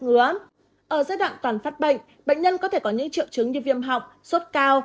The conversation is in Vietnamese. ngứa ở giai đoạn toàn phát bệnh bệnh nhân có thể có những triệu chứng như viêm họng sốt cao